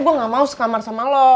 ya pokoknya gue gak mau sekamar sama lo